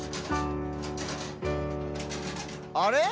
あれ？